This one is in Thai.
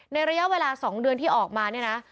ระยะเวลา๒เดือนที่ออกมาเนี่ยนะ